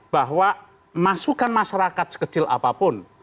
bahwa masukan masyarakat sekecil apapun